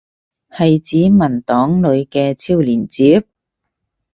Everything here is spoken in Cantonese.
係指文檔裏嘅超連接？